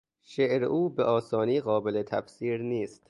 شعر او به آسانی قابل تفسیر نیست.